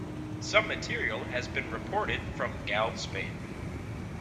Some material has been reported from Galve, Spain.